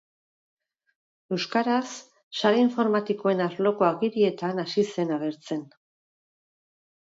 Euskaraz, sare informatikoen arloko agirietan hasi zen agertzen.